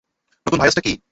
নতুন ভাইরাসটা কী?